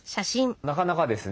なかなかですね